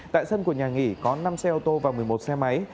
tại sân của nhà nghỉ có năm xe ô tô và một mươi một xe máy